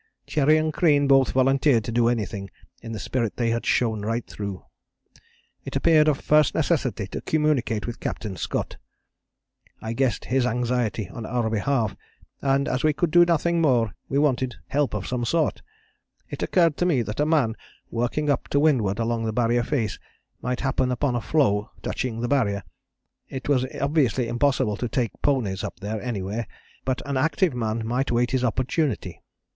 "Cherry and Crean both volunteered to do anything, in the spirit they had shown right through. It appeared of first necessity to communicate with Captain Scott. I guessed his anxiety on our behalf, and, as we could do nothing more, we wanted help of some sort. It occurred to me that a man working up to windward along the Barrier face might happen upon a floe touching [the Barrier]. It was obviously impossible to take ponies up there anywhere, but an active man might wait his opportunity.